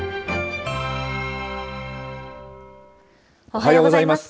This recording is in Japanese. おはようございます。